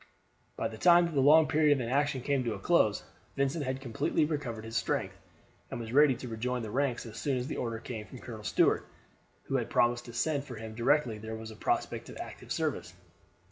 By the time that the long period of inaction came to a close, Vincent had completely recovered his strength, and was ready to rejoin the ranks as soon as the order came from Colonel Stuart, who had promised to send for him directly there was a prospect of active service.